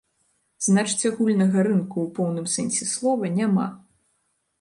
Значыць, агульнага рынку ў поўным сэнсе слова няма.